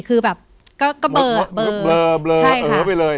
คือแบบก็เบลอ